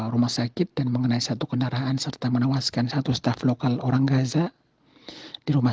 rumah sakit dan mengenai satu kendaraan serta menewaskan satu staff lokal orang gaza di rumah